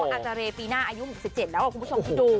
อาจารย์ปีหน้าอายุเหมือน๑๗เลยคุณผู้ชมพิวดู